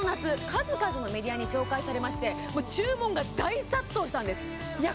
数々のメディアに紹介されまして注文が大殺到したんですいや